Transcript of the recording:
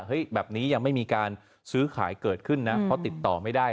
แบบนี้ยังไม่มีการซื้อขายเกิดขึ้นนะเพราะติดต่อไม่ได้